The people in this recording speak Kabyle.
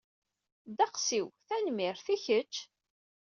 Ddeqs-iw, tanemmirt. I kecc?